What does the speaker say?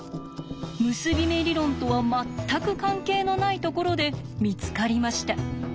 結び目理論とは全く関係のないところで見つかりました。